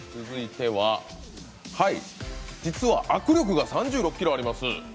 続いては実は握力が３６キロあります。